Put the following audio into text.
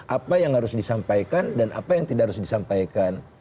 apa yang harus disampaikan dan apa yang tidak harus disampaikan